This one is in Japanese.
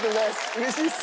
うれしいです。